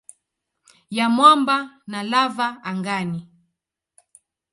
ya mwamba na lava angani.